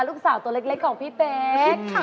ลูกสาวตัวเล็กของพี่เป๊ก